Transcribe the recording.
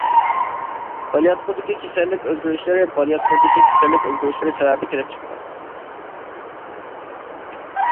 بالىياتقۇدىكى كېسەللىك ئۆزگىرىشلىرى بالىياتقۇدىكى كېسەللىك ئۆزگىرىشلىرى سەۋەبىدىن كېلىپ چىقىدۇ.